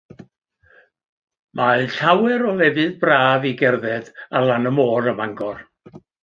Mae llawer o lefydd braf i gerdded ar lan y môr ym Mangor.